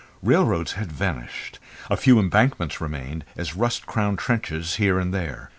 Railroads had vanished; a few embankments remained as rust crowned trenches here and there.